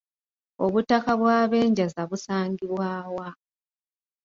Obutaka bw’Abenjaza busangibwa wa?